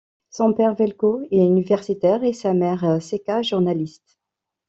Son père, Veljko, est universitaire et sa mère, Šeka, journaliste.